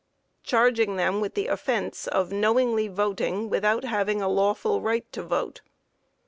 charging them with the offense of "knowingly voting without having a lawful right to vote."